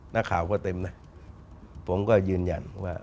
นักข่าวก็เต็มนะผมก็ยืนยันว่า